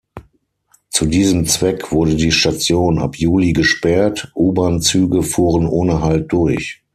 Zu diesem Zweck wurde die Station ab Juli gesperrt, U-Bahn-Züge fuhren ohne Halt durch.